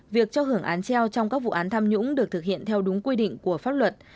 việc cho hưởng án treo trong các vụ án tham nhũng được thực hiện theo đúng quy định của pháp luật